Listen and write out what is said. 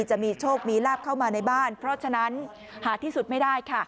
จะมีโชคมีลาบเข้ามาในบ้านเพราะฉะนั้นหาที่สุดไม่ได้ค่ะ